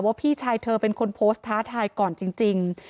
พี่ชายเธอเป็นคนโพสต์ท้าทายก่อนจริง